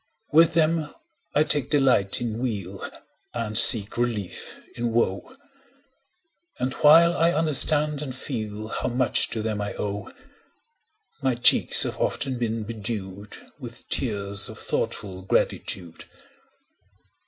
With them I take delight in weal And seek relief in woe; And while I understand and feel How much to them I owe, 10 My cheeks have often been bedew'd With tears of thoughtful gratitude.